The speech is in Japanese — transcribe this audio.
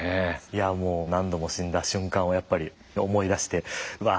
いやもう何度も死んだ瞬間をやっぱり思い出してうわ